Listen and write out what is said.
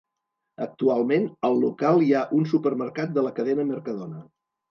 Actualment, al local hi ha un supermercat de la cadena Mercadona.